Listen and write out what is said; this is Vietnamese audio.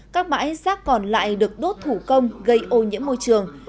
các bãi rác còn lại được đốt thủ công gây ô nhiễm môi trường